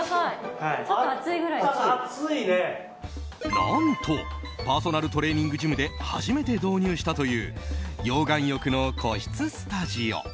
何とパーソナルトレーニングジムで初めて導入したという溶岩浴の個室スタジオ。